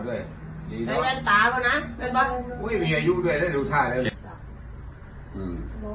สวัสดีครับทุกคน